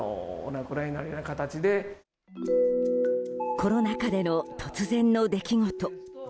コロナ禍での突然の出来事。